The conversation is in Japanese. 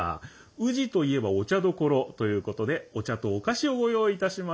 宇治といえばお茶どころということでお茶とお菓子をご用意いたしました。